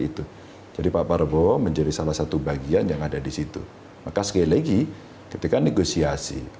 itu jadi pak prabowo menjadi salah satu bagian yang ada di situ maka sekali lagi ketika negosiasi